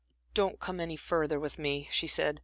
"Don't come any further with me," she said.